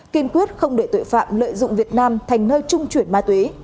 kiên quyết không để tội phạm lợi dụng việt nam thành nơi trung chuyển ma túy